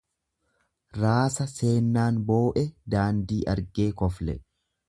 Raasa seennaan boo'e daandii argee kofle.